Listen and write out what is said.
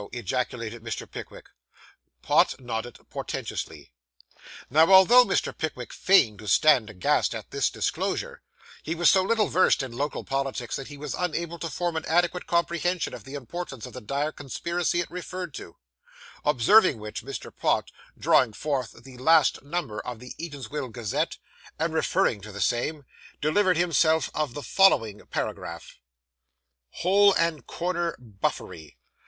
ejaculated Mr. Pickwick. Pott nodded portentously. Now, although Mr. Pickwick feigned to stand aghast at this disclosure, he was so little versed in local politics that he was unable to form an adequate comprehension of the importance of the dire conspiracy it referred to; observing which, Mr. Pott, drawing forth the last number of the Eatanswill Gazette, and referring to the same, delivered himself of the following paragraph: HOLE AND CORNER BUFFERY.